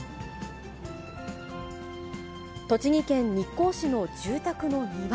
栃木県日光市の住宅の庭。